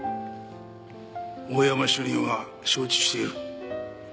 大山主任は承知している。